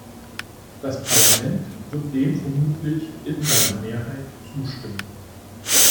Das Parlament wird dem vermutlich in seiner Mehrheit zustimmen.